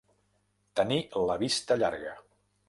Tenir la vista llarga.